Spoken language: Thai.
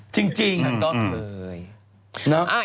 จริงฉันก็เคย